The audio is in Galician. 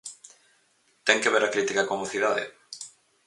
Ten que ver a crítica coa mocidade?